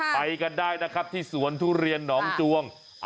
ไปกันได้นะครับที่สวนทุเรียนหนองจวง